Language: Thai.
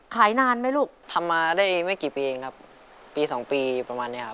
ขายนานไหมลูกทำมาได้ไม่กี่ปีเองครับปีสองปีประมาณเนี้ยครับ